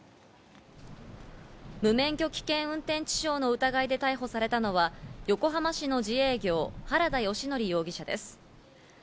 無免許危険運転致傷の疑いで逮捕されたのは横浜市の自営業、原田義徳容疑者です。